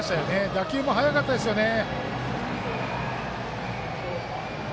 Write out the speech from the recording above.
打球も速かったですよね。